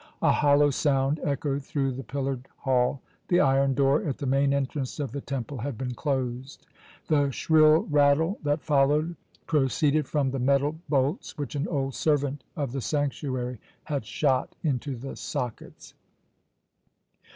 A hollow sound echoed through the pillared hall. The iron door at the main entrance of the temple had been closed. The shrill rattle that followed proceeded from the metal bolts which an old servant of the sanctuary had shot into the sockets.